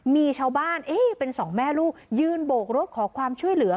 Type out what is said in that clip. มีชาวบ้านเอ๊ะเป็นสองแม่ลูกยืนโบกรถขอความช่วยเหลือ